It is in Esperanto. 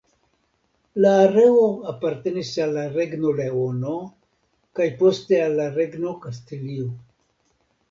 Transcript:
La areo apartenis al la Regno Leono kaj poste al la Regno Kastilio.